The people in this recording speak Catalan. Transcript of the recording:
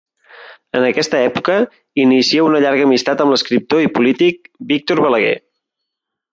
En aquesta època inicia una llarga amistat amb l’escriptor i polític Víctor Balaguer.